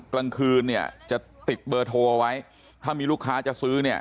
กลางคืนเนี่ยจะติดเบอร์โทรเอาไว้ถ้ามีลูกค้าจะซื้อเนี่ย